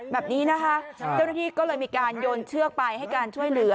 แบบนี้นะคะและก็เลยมีการยนต์เชือกไปให้การช่วยเหลือ